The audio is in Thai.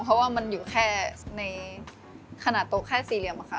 เพราะว่ามันอยู่แค่ในขณะโต๊ะแค่สี่เหลี่ยมค่ะ